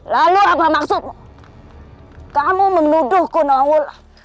lalu apa maksudmu kamu menuduhku nauwul